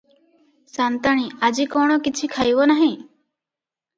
ସା’ନ୍ତାଣୀ – ଆଜି କ’ଣ କିଛି ଖାଇବ ନାହିଁ?